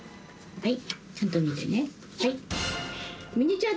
はい。